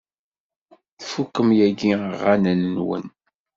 Tfukem yagi aɣanen-nwen?